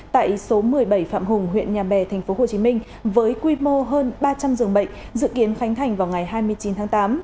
tại số một mươi bảy phạm hùng huyện nhà bè tp hcm với quy mô hơn ba trăm linh giường bệnh dự kiến khánh thành vào ngày hai mươi chín tháng tám